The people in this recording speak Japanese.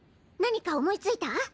何か思いついた？